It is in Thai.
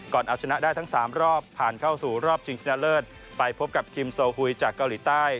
เอาชนะได้ทั้ง๓รอบผ่านเข้าสู่รอบชิงชนะเลิศไปพบกับคิมโซฮุยจากเกาหลีใต้